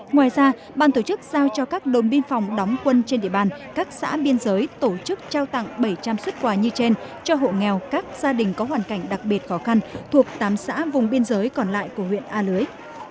ngoài ra ban tổ chức giao cho các đồn biên phòng đóng quân trên địa bàn các xã biên giới tổ chức trao tặng bảy trăm linh xuất quà như trên cho hộ nghèo các gia đình có hoàn cảnh đặc biệt khó khăn thuộc tám xã vùng biên giới còn lại của huyện a lưới